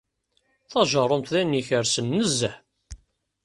Tajerrumt d ayen ikersen nezzeh.